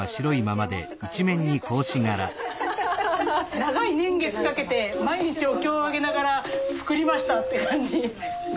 長い年月かけて毎日お経上げながら作りましたって感じ。